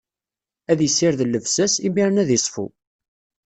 Ad issired llebsa-s, imiren ad iṣfu.